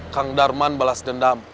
kang darman balas dendam